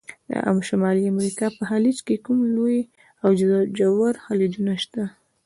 د شمالي امریکا په خلیج کې کوم لوی او ژور خلیجونه شته؟